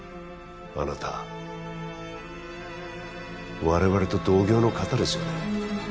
あなた我々と同業の方ですよね